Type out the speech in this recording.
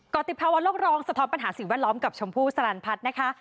ติภาวะโลกร้องสะท้อนปัญหาสิ่งแวดล้อมกับชมพู่สลันพัฒน์นะคะ